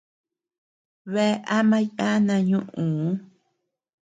Bea ama yana ñuʼuu.